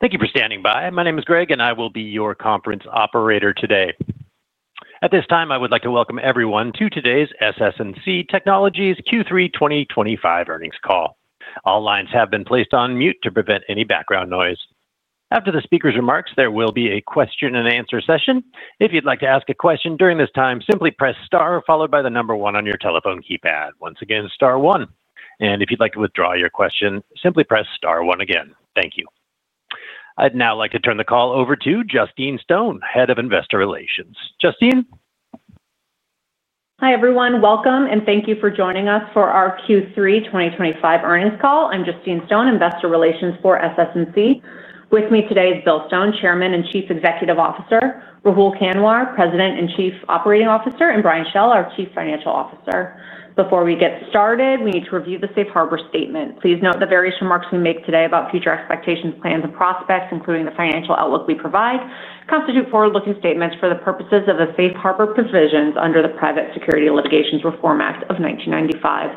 Thank you for standing by. My name is Greg, and I will be your conference operator today. At this time, I would like to welcome everyone to today's SS&C Technologies Q3 2025 earnings call. All lines have been placed on mute to prevent any background noise. After the speaker's remarks, there will be a question and answer session. If you'd like to ask a question during this time, simply press star followed by the number one on your telephone keypad. Once again, star one. If you'd like to withdraw your question, simply press star one again. Thank you. I'd now like to turn the call over to Justine Stone, Head of Investor Relations. Justine? Hi everyone, welcome and thank you for joining us for our Q3 2025 earnings call. I'm Justine Stone, Investor Relations for SS&C. With me today is Bill Stone, Chairman and Chief Executive Officer, Rahul Kanwar, President and Chief Operating Officer, and Brian Schell, our Chief Financial Officer. Before we get started, we need to review the Safe Harbor Statement. Please note that the various remarks we make today about future expectations, plans, and prospects, including the financial outlook we provide, constitute forward-looking statements for the purposes of the Safe Harbor Provisions under the Private Securities Litigation Reform Act of 1995.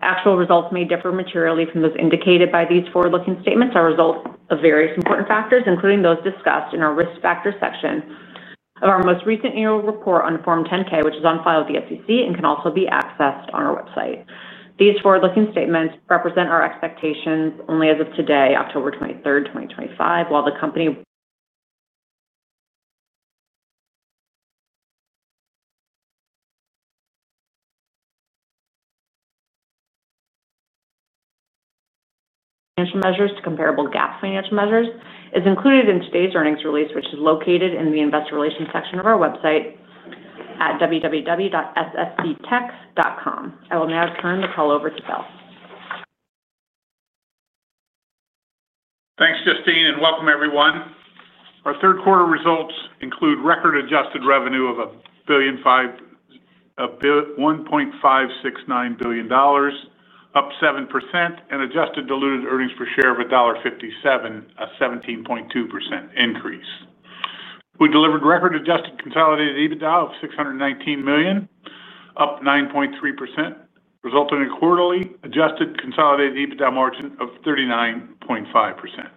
Actual results may differ materially from those indicated by these forward-looking statements as a result of various important factors, including those discussed in our Risk Factors section of our most recent annual report on Form 10-K, which is on file with the SEC and can also be accessed on our website. These forward-looking statements represent our expectations only as of today, October 23, 2025, while the company... Financial measures to comparable GAAP financial measures is included in today's earnings release, which is located in the Investor Relations section of our website at www.ssctechs.com. I will now turn the call over to Bill. Thanks, Justine, and welcome everyone. Our third quarter results include record adjusted revenue of $1.569 billion, up 7%, and adjusted diluted earnings per share of $1.57, a 17.2% increase. We delivered record adjusted consolidated EBITDA of $619 million, up 9.3%, resulting in a quarterly adjusted consolidated EBITDA margin of 39.5%.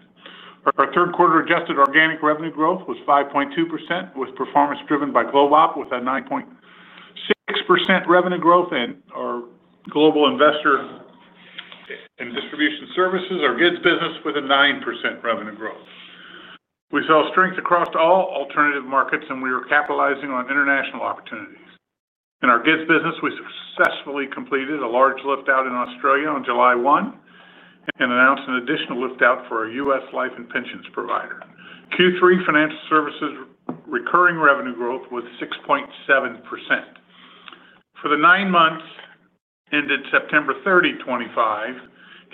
Our third quarter adjusted organic revenue growth was 5.2%, with performance driven by GlobeOp with a 9.6% revenue growth, and our Global Investor and Distribution Solutions, our GIDS business, with a 9% revenue growth. We saw strength across all alternative markets, and we were capitalizing on international opportunities. In our GIDS business, we successfully completed a large liftout in Australia on July 1 and announced an additional liftout for our U.S. life and pensions provider. Q3 financial services recurring revenue growth was 6.7%. For the nine months ended September 30, 2025,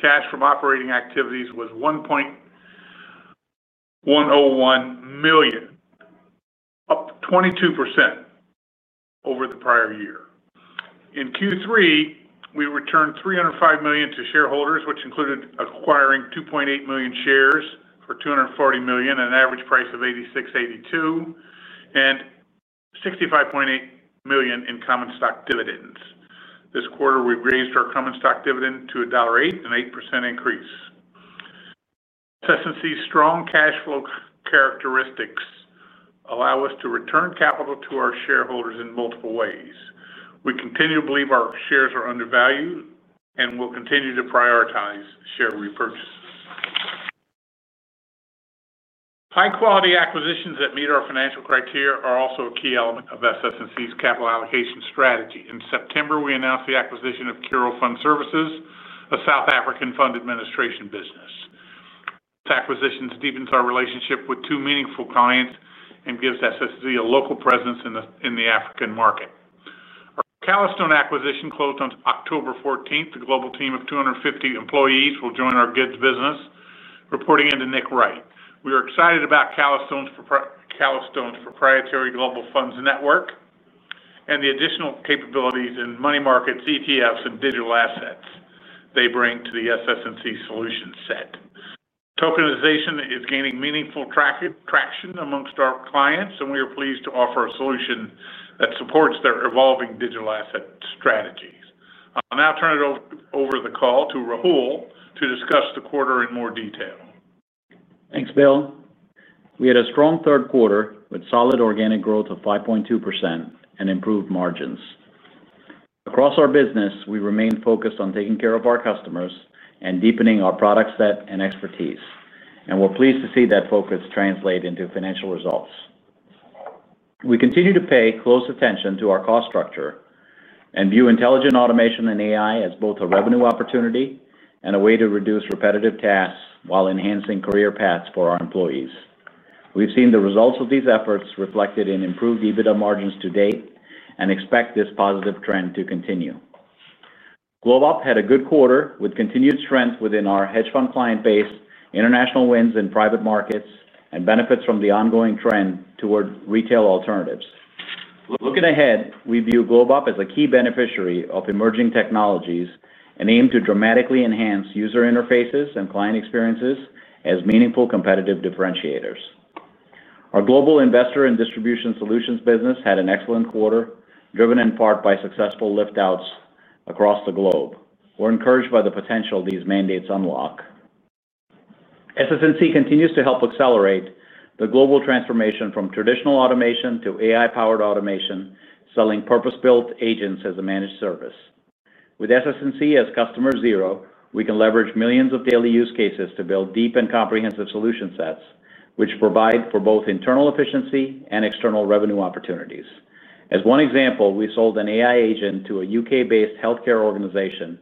cash from operating activities was $1.101 billion, up 22% over the prior year. In Q3, we returned $305 million to shareholders, which included acquiring 2.8 million shares for $240 million at an average price of $86.82 and $65.8 million in common stock dividends. This quarter, we raised our common stock dividend to $1.08, an 8% increase. SS&C's strong cash flow characteristics allow us to return capital to our shareholders in multiple ways. We continue to believe our shares are undervalued and will continue to prioritize share repurchases. High-quality acquisitions that meet our financial criteria are also a key element of SS&C's capital allocation strategy. In September, we announced the acquisition of Curo Fund Services, a South African fund administration business. This acquisition deepens our relationship with two meaningful clients and gives SS&C a local presence in the African market. Our Calastone acquisition closed on October 14. The global team of 250 employees will join our GIDS business, reporting in to Nick Wright. We are excited about Calastone's proprietary global funds network and the additional capabilities in money markets, ETFs, and digital assets they bring to the SS&C solution set. Tokenization is gaining meaningful traction amongst our clients, and we are pleased to offer a solution that supports their evolving digital asset strategies. I'll now turn it over to the call to Rahul to discuss the quarter in more detail. Thanks, Bill. We had a strong third quarter with solid organic growth of 5.2% and improved margins. Across our business, we remain focused on taking care of our customers and deepening our product set and expertise, and we're pleased to see that focus translate into financial results. We continue to pay close attention to our cost structure and view intelligent automation and AI as both a revenue opportunity and a way to reduce repetitive tasks while enhancing career paths for our employees. We've seen the results of these efforts reflected in improved EBITDA margins to date and expect this positive trend to continue. GlobeOp had a good quarter with continued strength within our hedge fund client base, international wins in private markets, and benefits from the ongoing trend toward retail alternatives. Looking ahead, we view GlobeOp as a key beneficiary of emerging technologies and aim to dramatically enhance user interfaces and client experiences as meaningful competitive differentiators. Our Global Investor and Distribution Solutions business had an excellent quarter, driven in part by successful liftouts across the globe. We're encouraged by the potential these mandates unlock. SS&C continues to help accelerate the global transformation from traditional automation to AI-powered automation, selling purpose-built agents as a managed service. With SS&C as customer zero, we can leverage millions of daily use cases to build deep and comprehensive solution sets, which provide for both internal efficiency and external revenue opportunities. As one example, we sold an AI agent to a U.K.-based healthcare organization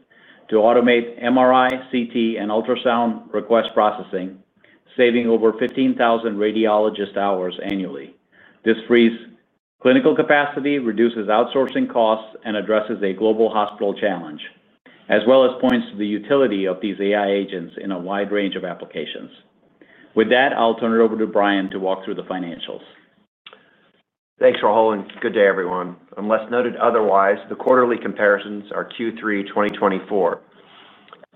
to automate MRI, CT, and ultrasound request processing, saving over 15,000 radiologist hours annually. This frees clinical capacity, reduces outsourcing costs, and addresses a global hospital challenge, as well as points to the utility of these AI agents in a wide range of applications. With that, I'll turn it over to Brian to walk through the financials. Thanks, Rahul, and good day, everyone. Unless noted otherwise, the quarterly comparisons are Q3 2024.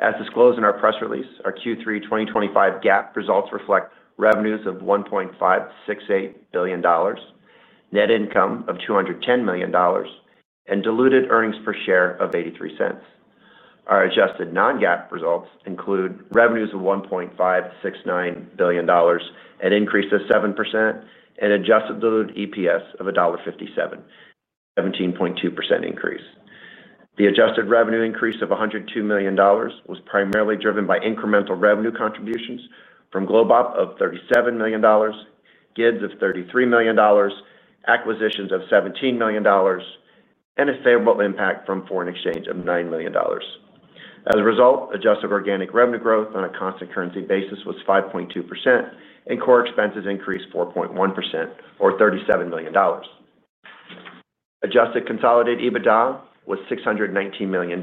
As disclosed in our press release, our Q3 2024 GAAP results reflect revenues of $1.568 billion, net income of $210 million, and diluted earnings per share of $0.83. Our adjusted non-GAAP results include revenues of $1.569 billion, an increase of 7%, and an adjusted diluted EPS of $1.57, a 17.2% increase. The adjusted revenue increase of $102 million was primarily driven by incremental revenue contributions from GlobeOp of $37 million, GIDS of $33 million, acquisitions of $17 million, and a favorable impact from foreign exchange of $9 million. As a result, adjusted organic revenue growth on a constant currency basis was 5.2%, and core expenses increased 4.1% or $37 million. Adjusted consolidated EBITDA was $619 million,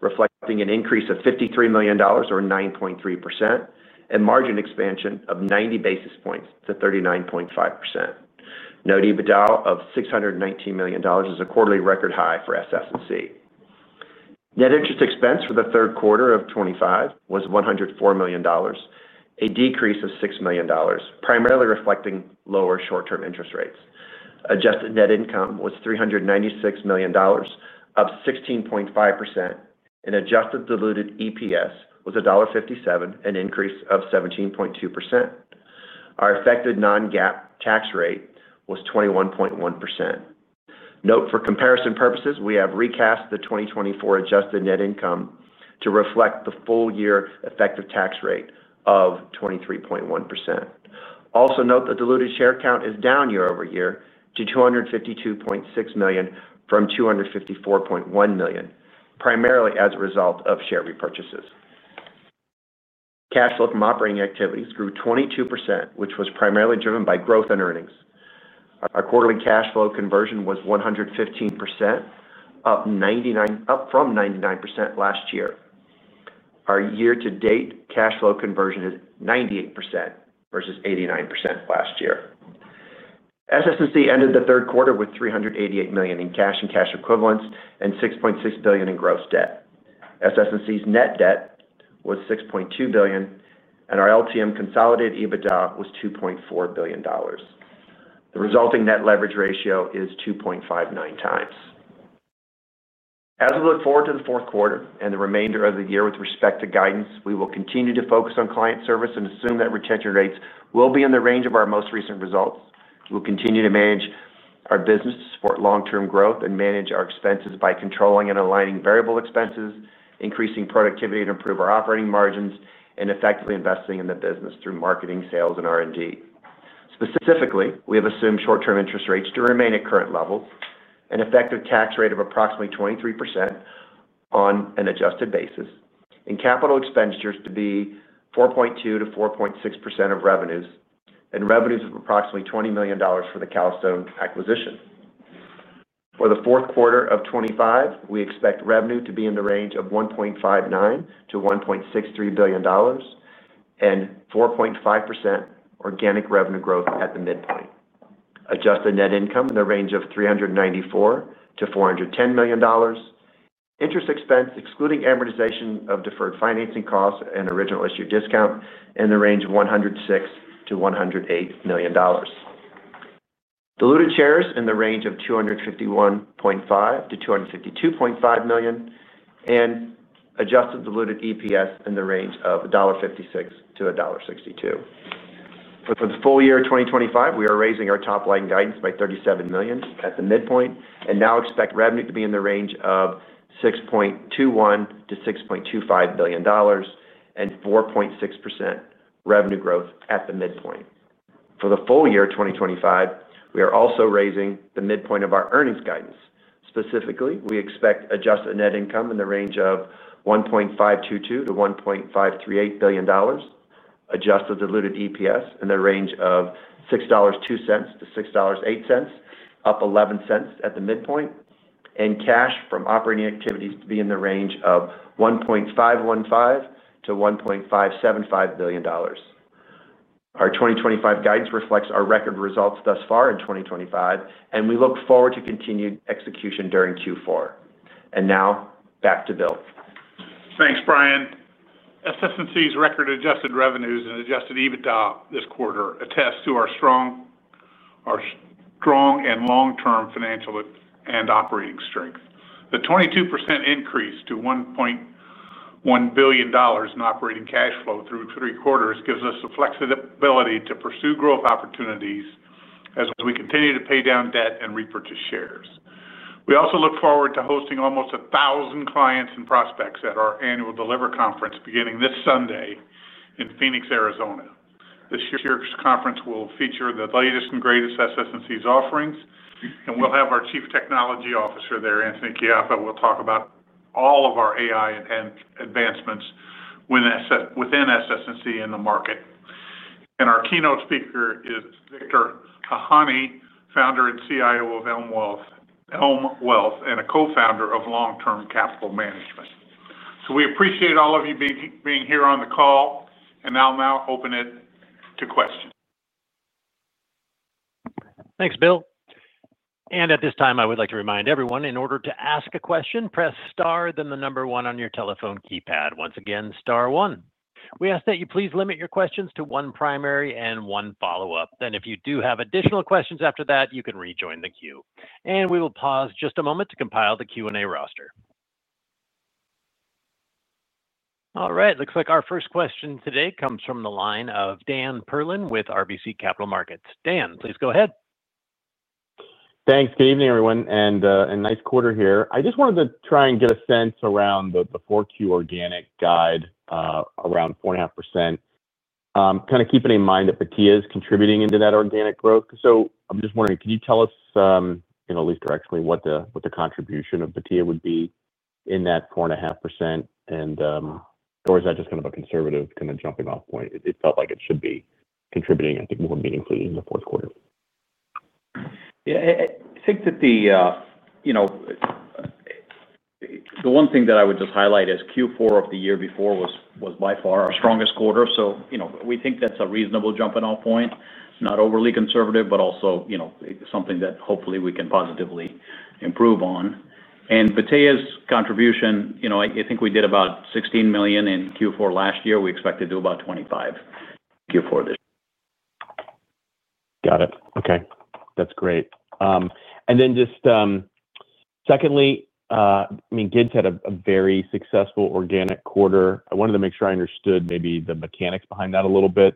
reflecting an increase of $53 million or 9.3% and margin expansion of 90 basis points to 39.5%. Note EBITDA of $619 million is a quarterly record high for SS&C. Net interest expense for the third quarter of 2025 was $104 million, a decrease of $6 million, primarily reflecting lower short-term interest rates. Adjusted net income was $396 million, up 16.5%, and adjusted diluted EPS was $1.57, an increase of 17.2%. Our effective non-GAAP tax rate was 21.1%. Note for comparison purposes, we have recast the 2024 adjusted net income to reflect the full year effective tax rate of 23.1%. Also note that diluted share count is down year-over-year to 252.6 million from 254.1 million, primarily as a result of share repurchases. Cash flow from operating activities grew 22%, which was primarily driven by growth in earnings. Our quarterly cash flow conversion was 115%, up from 99% last year. Our year-to-date cash flow conversion is 98% versus 89% last year. SS&C ended the third quarter with $388 million in cash and cash equivalents and $6.6 billion in gross debt. SS&C's net debt was $6.2 billion, and our LTM consolidated EBITDA was $2.4 billion. The resulting net leverage ratio is 2.59x. As we look forward to the fourth quarter and the remainder of the year with respect to guidance, we will continue to focus on client service and assume that retention rates will be in the range of our most recent results. We'll continue to manage our business to support long-term growth and manage our expenses by controlling and aligning variable expenses, increasing productivity to improve our operating margins, and effectively investing in the business through marketing, sales, and R&D. Specifically, we have assumed short-term interest rates to remain at current levels, an effective tax rate of approximately 23% on an adjusted basis, and capital expenditures to be 4.2%-4.6% of revenues, and revenues of approximately $20 million for the Calastone acquisition. For the fourth quarter of 2025, we expect revenue to be in the range of $1.59 billion-$1.63 billion and 4.5% organic revenue growth at the midpoint. Adjusted net income in the range of $394 million-$410 million. Interest expense, excluding amortization of deferred financing costs and original issue discount, in the range of $106 million-$108 million. Diluted shares in the range of 251.5 million-252.5 million, and adjusted diluted EPS in the range of $1.56-$1.62. For the full year of 2025, we are raising our top line guidance by $37 million at the midpoint and now expect revenue to be in the range of $6.21 billion-$6.25 billion and 4.6% revenue growth at the midpoint. For the full year of 2025, we are also raising the midpoint of our earnings guidance. Specifically, we expect adjusted net income in the range of $1.522 billion-$1.538 billion, adjusted diluted EPS in the range of $6.02-$6.08, up $0.11 at the midpoint, and cash from operating activities to be in the range of $1.515 billion-$1.575 billion. Our 2025 guidance reflects our record results thus far in 2025, and we look forward to continued execution during Q4. Now, back to Bill. Thanks, Brian. SS&C's record-adjusted revenues and adjusted EBITDA this quarter attest to our strong and long-term financial and operating strength. The 22% increase to $1.1 billion in operating cash flow through three quarters gives us the flexibility to pursue growth opportunities as we continue to pay down debt and repurchase shares. We also look forward to hosting almost a thousand clients and prospects at our annual Deliver Conference beginning this Sunday in Phoenix, Arizona. This year's conference will feature the latest and greatest SS&C's offerings, and we'll have our Chief Technology Officer there, Anthony Caiafa, who will talk about all of our AI and advancements within SS&C in the market. Our keynote speaker is Victor Haghani, founder and CIO of Elm Wealth and a co-founder of Long Term Capital Management. We appreciate all of you being here on the call, and I'll now open it to questions. Thanks, Bill. At this time, I would like to remind everyone, in order to ask a question, press star, then the number one on your telephone keypad. Once again, star one. We ask that you please limit your questions to one primary and one follow-up. If you do have additional questions after that, you can rejoin the queue. We will pause just a moment to compile the Q&A roster. All right, it looks like our first question today comes from the line of Dan Perlin with RBC Capital Markets. Dan, please go ahead. Thanks. Good evening, everyone, and a nice quarter here. I just wanted to try and get a sense around the Q4 organic guide, around 4.5%, kind of keeping in mind that Battea is contributing into that organic growth. I'm just wondering, can you tell us, you know, at least directly, what the contribution of Battea would be in that 4.5%, or is that just kind of a conservative kind of jumping-off point? It felt like it should be contributing, I think, more meaningfully in the fourth quarter. I think that the one thing that I would just highlight is Q4 of the year before was by far our strongest quarter. We think that's a reasonable jumping-off point, not overly conservative, but also something that hopefully we can positively improve on. Battea's contribution, I think we did about $16 million in Q4 last year. We expect to do about $25 million in Q4 this year. Got it. Okay. That's great. Secondly, I mean, good to have a very successful organic quarter. I wanted to make sure I understood maybe the mechanics behind that a little bit.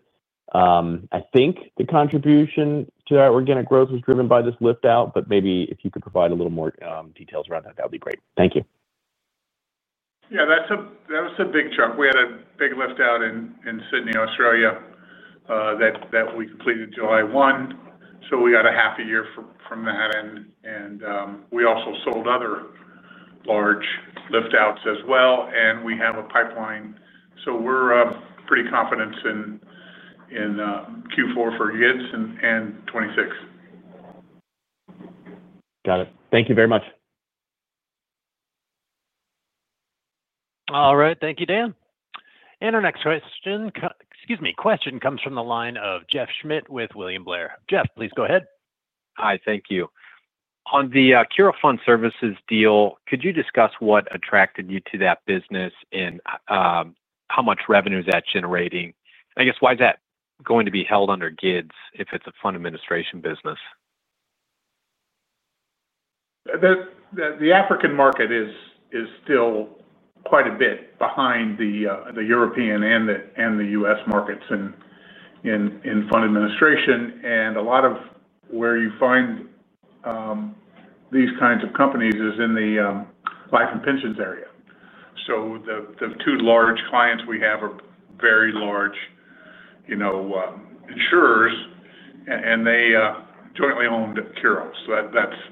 I think the contribution to that organic growth was driven by this liftout, but maybe if you could provide a little more details around that, that would be great. Thank you. Yeah, that was a big chunk. We had a big liftout in Sydney, Australia, that we completed July 1. We got a half a year from that, and we also sold other large liftouts as well. We have a pipeline, so we're pretty confident in Q4 for goods and 2026. Got it. Thank you very much. All right. Thank you, Dan. Our next question comes from the line of Jeff Schmitt with William Blair. Jeff, please go ahead. Hi, thank you. On the Curo Fund Services deal, could you discuss what attracted you to that business and how much revenue is that generating? I guess, why is that going to be held under GIDS if it's a fund administration business? The African market is still quite a bit behind the European and the U.S. markets in fund administration. A lot of where you find these kinds of companies is in the life and pensions area. The two large clients we have are very large insurers, and they jointly owned Curo.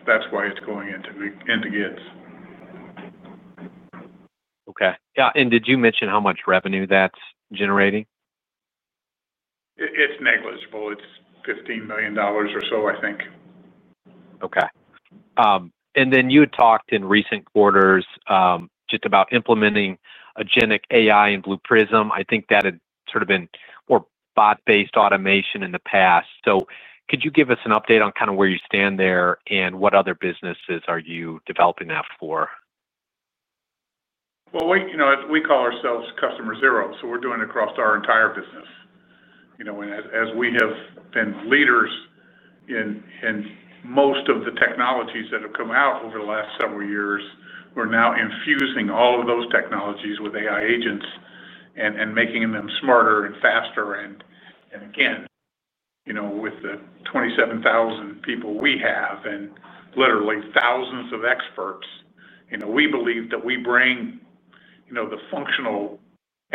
That's why it's going into GIDS. Okay. Did you mention how much revenue that's generating? It's negligible. It's $15 million or so, I think. Okay, and then you had talked in recent quarters just about implementing agentic AI in Blue Prism. I think that had sort of been more bot-based automation in the past. Could you give us an update on kind of where you stand there and what other businesses are you developing that for? We call ourselves customer zero. We're doing it across our entire business. As we have been leaders in most of the technologies that have come out over the last several years, we're now infusing all of those technologies with AI agents and making them smarter and faster. Again, with the 27,000 people we have and literally thousands of experts, we believe that we bring the functional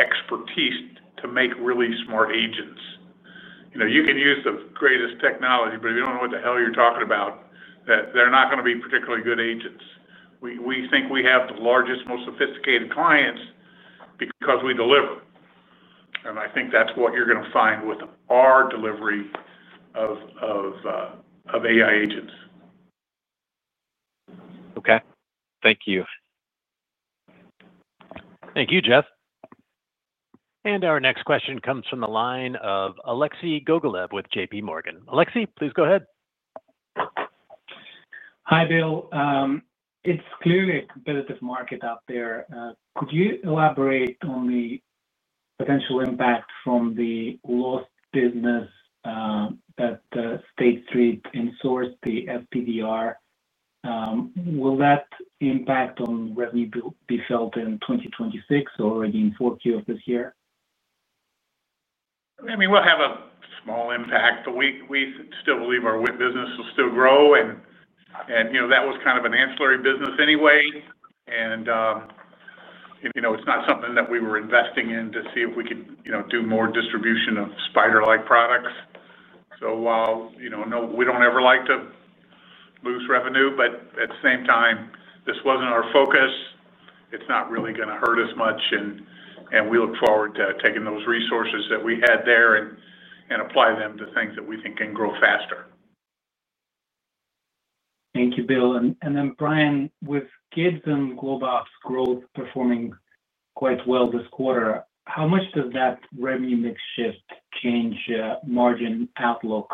expertise to make really smart agents. You can use the greatest technology, but if you don't know what the hell you're talking about, they're not going to be particularly good agents. We think we have the largest, most sophisticated clients because we deliver. I think that's what you're going to find with our delivery of AI agents. Okay. Thank you. Thank you, Jeff. Our next question comes from the line of Alexei Gogolev with JPMorgan. Alexei, please go ahead. Hi, Bill. It's clearly a competitive market out there. Could you elaborate on the potential impact from the lost business, that State Street insourced the FPDR? Will that impact on revenue be felt in 2026 or already in 4Q of this year? I mean, we'll have a small impact, but we still believe our wind business will still grow. You know, that was kind of an ancillary business anyway. You know, it's not something that we were investing in to see if we could, you know, do more distribution of spider-like products. You know, no, we don't ever like to lose revenue, but at the same time, this wasn't our focus. It's not really going to hurt us much. We look forward to taking those resources that we had there and apply them to things that we think can grow faster. Thank you, Bill. Brian, with GIDS and GlobeOp's growth performing quite well this quarter, how much does that revenue mix shift change margin outlook?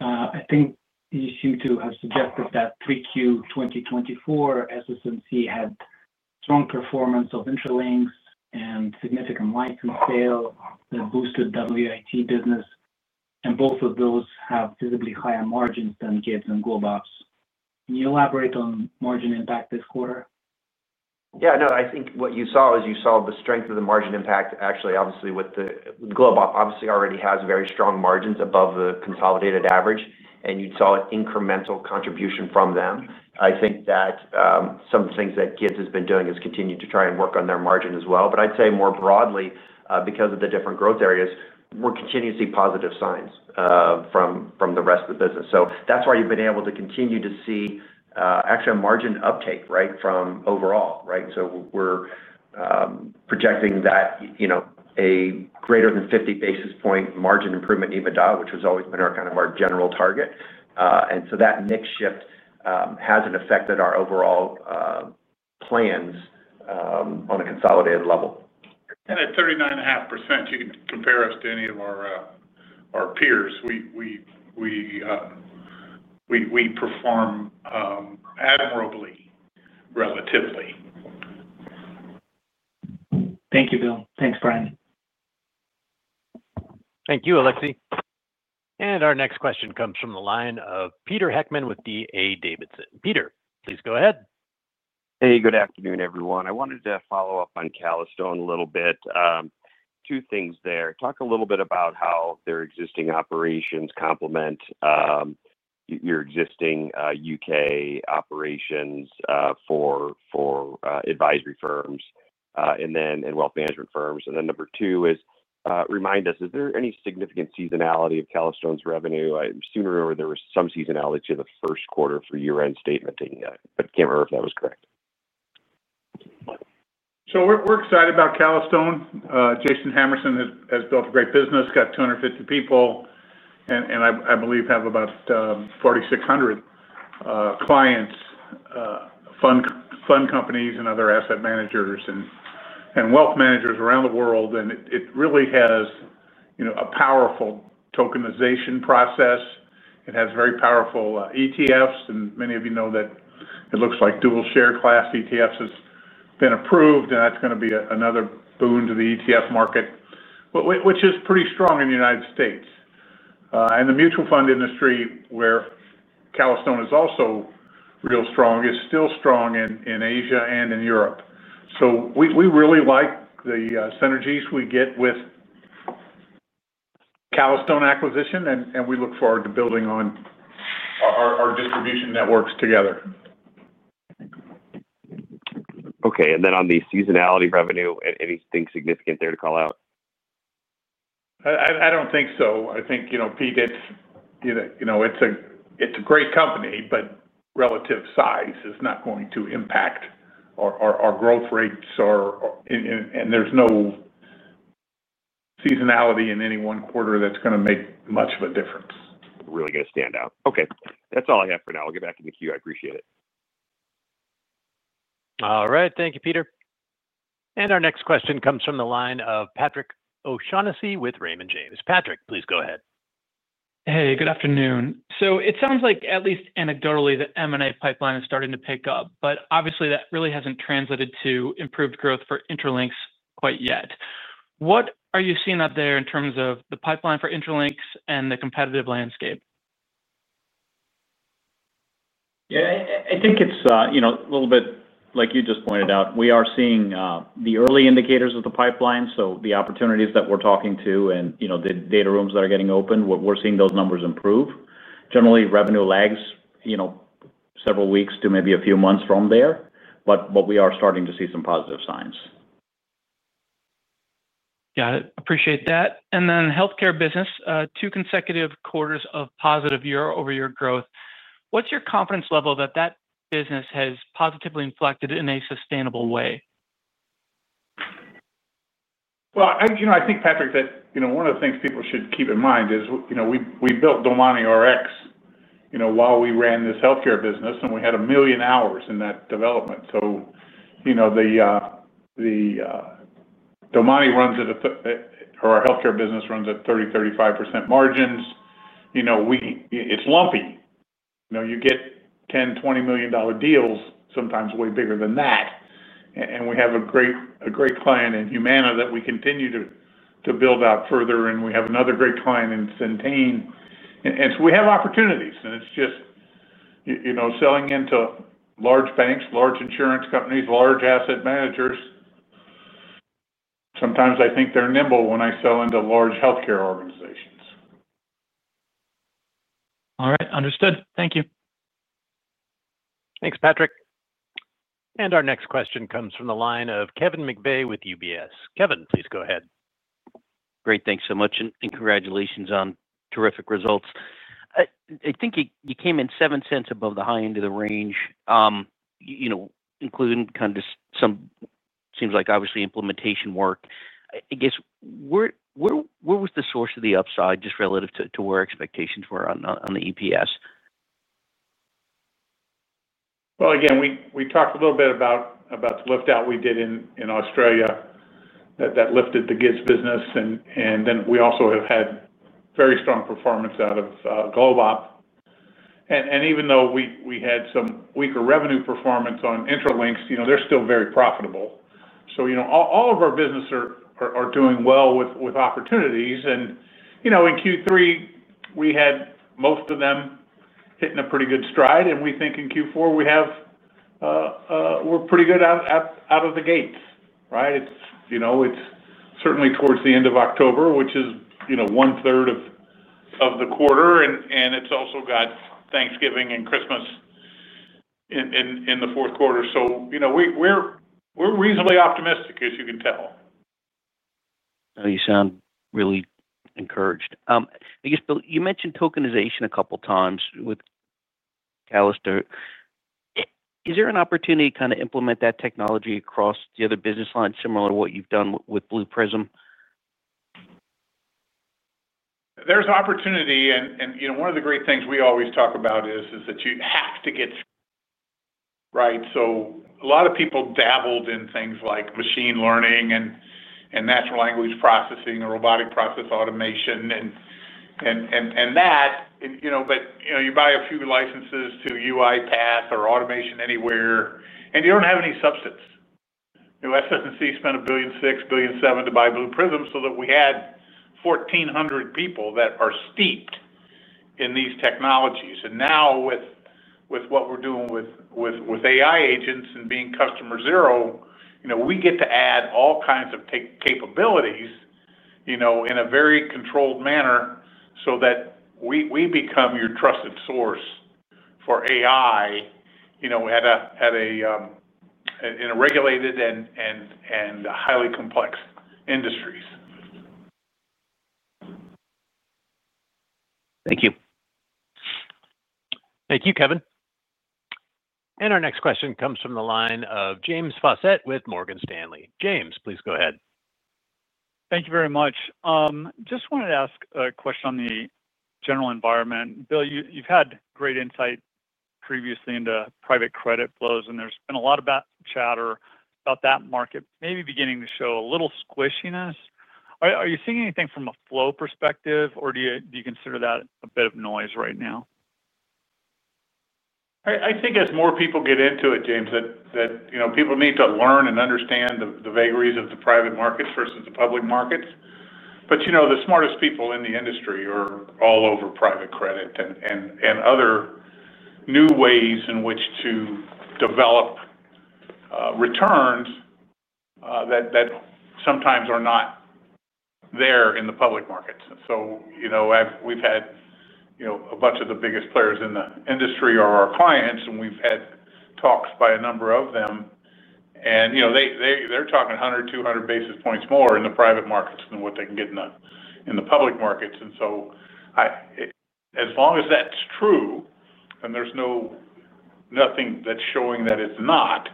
I think you seem to have suggested that in 3Q 2024, SS&C had strong performance of Intralinks and significant license sale that boosted WIT business. Both of those have visibly higher margins than GIDS and GlobeOp. Can you elaborate on margin impact this quarter? Yeah, no, I think what you saw is you saw the strength of the margin impact. Actually, obviously, with GlobeOp, obviously already has very strong margins above the consolidated average, and you saw an incremental contribution from them. I think that some of the things that GIDS has been doing is continuing to try and work on their margin as well. I'd say more broadly, because of the different growth areas, we're continuing to see positive signs from the rest of the business. That's why you've been able to continue to see actually a margin uptick, right, from overall, right? We're projecting that, you know, a greater than 50 basis point margin improvement EBITDA, which has always been our kind of our general target. That mix shift hasn't affected our overall plans on a consolidated level. At 39.5%, you can compare us to any of our peers. We perform admirably, relatively. Thank you, Bill. Thanks, Brian. Thank you, Alexei. Our next question comes from the line of Peter Heckmann with D.A. Davidson. Peter, please go ahead. Hey, good afternoon, everyone. I wanted to follow up on Calastone a little bit. Two things there. Talk a little bit about how their existing operations complement your existing U.K. operations for advisory firms and then in wealth management firms. Number two is, remind us, is there any significant seasonality of Calastone's revenue? I soon remember there was some seasonality to the first quarter for year-end statementing, but I can't remember if that was correct. We're excited about Calastone. Jason Hammerson has built a great business, got 250 people, and I believe have about 4,600 clients, fund companies, and other asset managers and wealth managers around the world. It really has a powerful tokenization process. It has very powerful ETFs. Many of you know that it looks like dual share class ETFs have been approved, and that's going to be another boon to the ETF market, which is pretty strong in the U.S. The mutual fund industry, where Calastone is also real strong, is still strong in Asia and in Europe. We really like the synergies we get with the Calastone acquisition, and we look forward to building on our distribution networks together. Okay. On the seasonality revenue, anything significant there to call out? I don't think so. I think, you know, Pete, it's a great company, but relative size is not going to impact our growth rates. There's no seasonality in any one quarter that's going to make much of a difference. Really going to stand out. Okay, that's all I have for now. I'll get back in the queue. I appreciate it. All right. Thank you, Peter. Our next question comes from the line of Patrick O'Shaughnessy with Raymond James. Patrick, please go ahead. Hey, good afternoon. It sounds like, at least anecdotally, the M&A pipeline is starting to pick up, but obviously, that really hasn't translated to improved growth for Intralinks quite yet. What are you seeing out there in terms of the pipeline for Intralinks and the competitive landscape? Yeah, I think it's a little bit like you just pointed out. We are seeing the early indicators of the pipeline. The opportunities that we're talking to and the data rooms that are getting open, we're seeing those numbers improve. Generally, revenue lags several weeks to maybe a few months from there, but we are starting to see some positive signs. Got it. Appreciate that. The healthcare business has had two consecutive quarters of positive year-over-year growth. What's your confidence level that that business has positively inflected in a sustainable way? I think Patrick said one of the things people should keep in mind is we built DomaniRx while we ran this healthcare business, and we had a million hours in that development. The Domani runs at a, or our healthcare business runs at 30%-35% margins. It's lumpy. You get $10 million, $20 million deals, sometimes way bigger than that. We have a great client in Humana that we continue to build out further. We have another great client in Centene. We have opportunities. It's just, you know, selling into large banks, large insurance companies, large asset managers, sometimes I think they're nimble when I sell into large healthcare organizations. All right. Understood. Thank you. Thanks, Patrick. Our next question comes from the line of Kevin McVeigh with UBS. Kevin, please go ahead. Great. Thanks so much. Congratulations on terrific results. I think you came in $0.07 above the high end of the range, including just some, seems like, obviously, implementation work. I guess, where was the source of the upside just relative to where expectations were on the EPS? We talked a little bit about the liftout we did in Australia that lifted the goods business. We also have had very strong performance out of GlobeOp. Even though we had some weaker revenue performance on Intralinks, they're still very profitable. All of our businesses are doing well with opportunities. In Q3, we had most of them hitting a pretty good stride. We think in Q4, we're pretty good out of the gates, right? It's certainly towards the end of October, which is one-third of the quarter. It's also got Thanksgiving and Christmas in the fourth quarter. We're reasonably optimistic, as you can tell. Oh, you sound really encouraged. I guess, Bill, you mentioned tokenization a couple of times with Calastone. Is there an opportunity to kind of implement that technology across the other business lines similar to what you've done with Blue Prism? There's opportunity. One of the great things we always talk about is that you have to get it right. A lot of people dabbled in things like machine learning and natural language processing or robotic process automation, but you buy a few licenses to UiPath or Automation Anywhere, and you don't have any substance. SS&C spent $1.6 billion, $1.7 billion to buy Blue Prism so that we had 1,400 people that are steeped in these technologies. Now, with what we're doing with AI agents and being customer zero, we get to add all kinds of capabilities in a very controlled manner so that we become your trusted source for AI in regulated and highly complex industries. Thank you. Thank you, Kevin. Our next question comes from the line of James Faucette with Morgan Stanley. James, please go ahead. Thank you very much. I just wanted to ask a question on the general environment. Bill, you've had great insight previously into private credit flows, and there's been a lot of chatter about that market maybe beginning to show a little squishiness. Are you seeing anything from a flow perspective, or do you consider that a bit of noise right now? I think as more people get into it, James, people need to learn and understand the vagaries of the private markets versus the public markets. The smartest people in the industry are all over private credit and other new ways in which to develop returns that sometimes are not there in the public markets. We've had a bunch of the biggest players in the industry as our clients, and we've had talks by a number of them. They are talking 100 basis points, 200 basis points more in the private markets than what they can get in the public markets. As long as that's true, and there's nothing that's showing that it's not,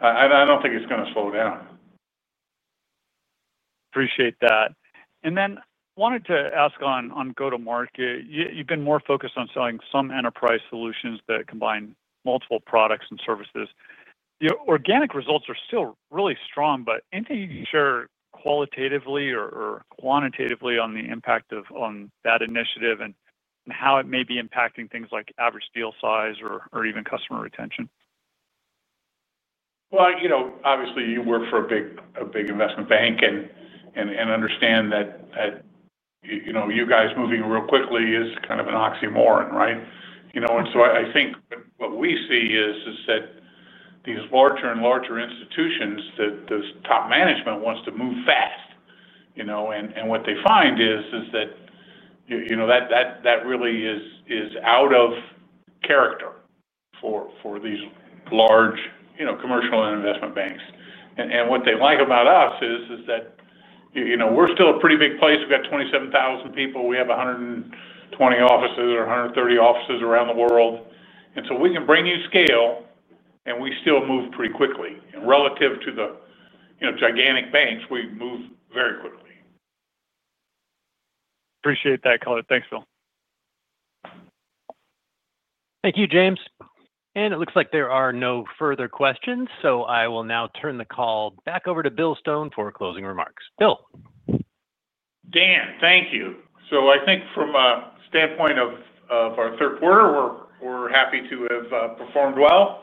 I don't think it's going to slow down. Appreciate that. I wanted to ask on go-to-market. You've been more focused on selling some enterprise solutions that combine multiple products and services. Your organic results are still really strong, but anything you can share qualitatively or quantitatively on the impact of that initiative and how it may be impacting things like average deal size or even customer retention? Obviously, you work for a big investment bank and understand that you guys moving real quickly is kind of an oxymoron, right? I think what we see is that these larger and larger institutions, the top management wants to move fast. What they find is that really is out of character for these large commercial and investment banks. What they like about us is that we're still a pretty big place. We've got 27,000 people. We have 120 offices or 130 offices around the world. We can bring you scale, and we still move pretty quickly. Relative to the gigantic banks, we move very quickly. Appreciate that color. Thanks, Bill. Thank you, James. It looks like there are no further questions. I will now turn the call back over to Bill Stone for closing remarks. Bill. Dan, thank you. I think from a standpoint of our third quarter, we're happy to have performed well.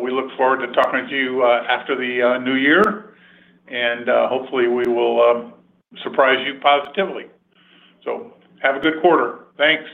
We look forward to talking with you after the new year, and hopefully, we will surprise you positively. Have a good quarter. Thanks.